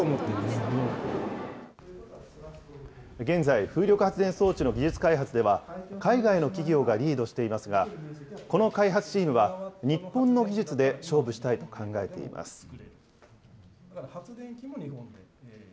現在、風力発電装置の技術開発では、海外の企業がリードしていますが、この開発チームは、日本の技術で勝負したいと考えています。